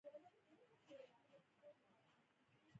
ازادي راډیو د امنیت بدلونونه څارلي.